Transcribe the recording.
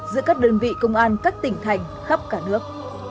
giữa các đơn vị công an các tỉnh thành khắp cả nước